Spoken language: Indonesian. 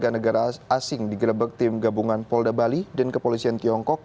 tiga negara asing digerebek tim gabungan polda bali dan kepolisian tiongkok